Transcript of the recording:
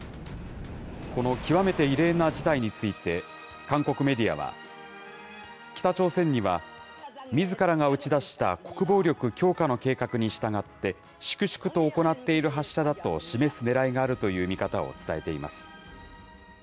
この極めて異例な事態について、韓国メディアは、北朝鮮にはみずからが打ち出した国防力強化の計画に従って粛々と行っている発射だと示すねらいがあるという見方を伝えています。